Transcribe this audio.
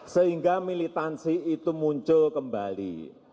sehingga militansi itu muncul kembali